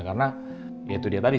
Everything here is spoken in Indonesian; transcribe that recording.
karena ya itu dia tadi